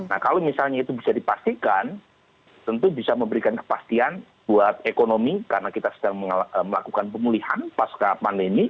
nah kalau misalnya itu bisa dipastikan tentu bisa memberikan kepastian buat ekonomi karena kita sedang melakukan pemulihan pasca pandemi